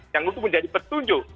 yang itu menjadi petunjuk